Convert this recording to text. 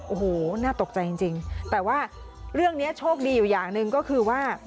โอ้โหน่าตกใจจริงแต่ว่าเรื่องนี้โชคดีอยู่อย่างหนึ่งก็คือว่า